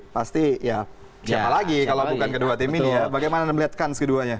pasti ya siapa lagi kalau bukan kedua tim ini ya bagaimana melihat kans keduanya